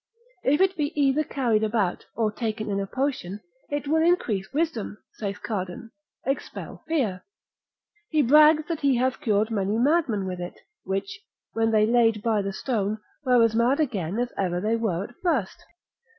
If it be either carried about, or taken in a potion, it will increase wisdom, saith Cardan, expel fear; he brags that he hath cured many madmen with it, which, when they laid by the stone, were as mad again as ever they were at first.